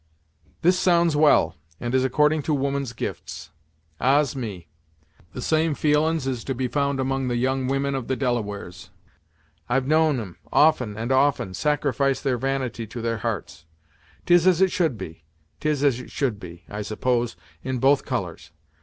"This sounds well, and is according to woman's gifts. Ah's, me! The same feelin's is to be found among the young women of the Delawares. I've known 'em, often and often, sacrifice their vanity to their hearts. 'Tis as it should be 'tis as it should be I suppose, in both colours.